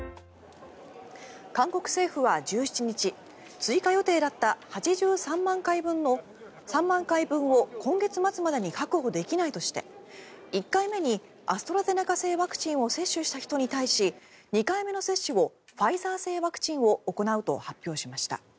韓国政府は１７日追加予定だった８３万回分を今月末までに確保できないとして１回目にアストラゼネカ製ワクチンを接種した人に対し２回目の接種をファイザー製ワクチンで行うと発表しました。